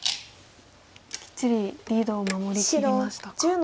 きっちりリードを守りきりましたか。